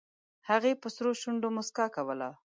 هغې په سرو شونډو موسکا کوله